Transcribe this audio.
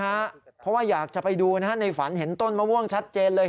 เพราะว่าอยากจะไปดูนะฮะในฝันเห็นต้นมะม่วงชัดเจนเลย